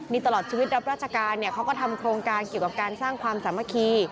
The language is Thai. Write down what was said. นี่ตลอดชีวิตรับราชการเนี่ยเขาก็ทำโครงการเกี่ยวกับการสร้างความสามัคคี